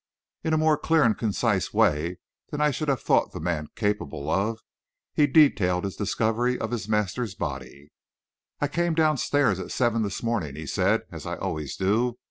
In a more clear and concise way than I should have thought the man capable of, he detailed his discovery of his master's body. "I came down stairs at seven this morning," he said, "as I always do.